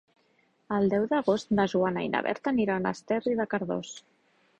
El deu d'agost na Joana i na Berta aniran a Esterri de Cardós.